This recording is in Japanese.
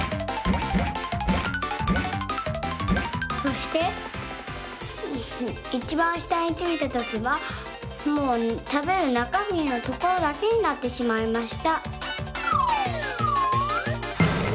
そしていちばんしたについたときはもうたべるなかみのところだけになってしまいました。